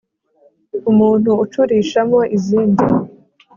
umuntu ucurishamo izindi